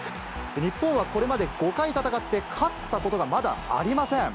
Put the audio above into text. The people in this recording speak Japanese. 日本はこれまで５回戦って、勝ったことがまだありません。